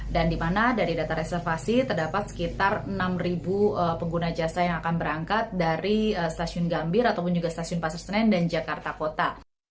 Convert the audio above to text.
dan di mana dari data reservasi terdapat sekitar enam pengguna jasa yang akan berangkat dari stasiun gambir ataupun juga stasiun pasar senen dan jakarta kota